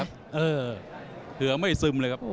เหนือไม่ซึมเลยครับ